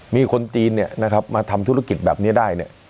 มีคนจีนนะครับมาทำธุรกิจแบบนี้ได้